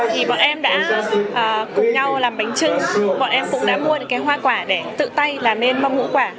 thì bọn em đã cùng nhau làm bánh trưng bọn em cũng đã mua những cái hoa quả để tự tay làm nên bông ngũ quả